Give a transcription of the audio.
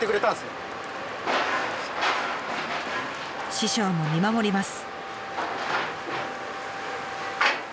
師匠も見守ります。